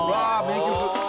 名曲